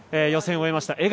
予選を終えました。